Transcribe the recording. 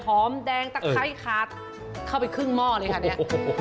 หอมแดงตะไคร้ขาดเข้าไปครึ่งหม้อเลยค่ะเนี่ย